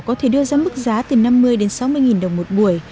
có thể đưa ra mức giá từ năm mươi đến sáu mươi nghìn đồng một buổi